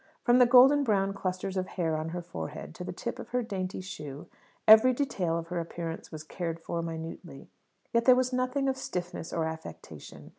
From the golden brown clusters of hair on her forehead to the tip of her dainty shoe every detail of her appearance was cared for minutely. Yet there was nothing of stiffness or affectation.